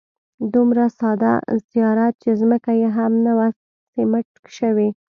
دومره ساده زیارت چې ځمکه یې هم نه وه سیمټ شوې.